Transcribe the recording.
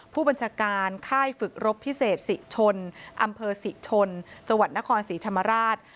ผู้บัญชาการค่ายฝึกรบพิเศษศรีชนอำเภอศรีชนจังหวัดนครศรีธรรมราช